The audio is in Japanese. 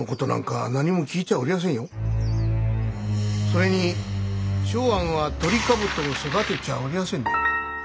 それに松庵はトリカブトを育てちゃおりやせん。